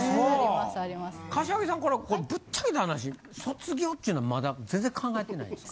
柏木さんこれぶっちゃけた話卒業っちゅうのはまだ全然考えてないんですか。